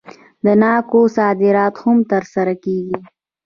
د ناکو صادرات هم ترسره کیږي.